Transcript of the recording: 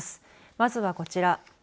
まずはこちら。